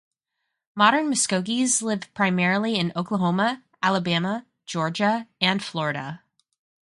Modern Muscogees live primarily in Oklahoma, Alabama, Georgia, and Florida.